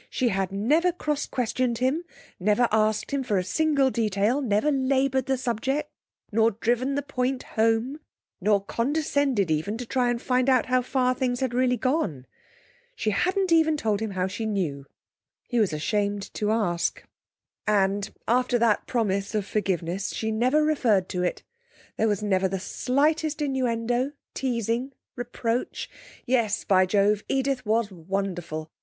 She had never cross questioned him, never asked him for a single detail, never laboured the subject, nor driven the point home, nor condescended even to try to find out how far things had really gone. She hadn't even told him how she knew; he was ashamed to ask. And, after that promise of forgiveness, she never referred to it; there was never the slightest innuendo, teasing, reproach. Yes, by Jove! Edith was wonderful!